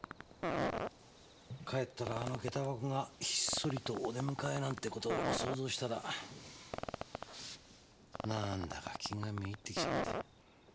帰ったらあの下駄箱がひっそりとお出迎えなんて事を想像したら何だか気が滅入ってきちゃって。